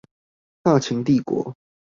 大秦帝國